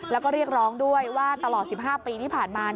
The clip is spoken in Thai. แล้วก็เรียกร้องด้วยว่าตลอด๑๕ปีที่ผ่านมา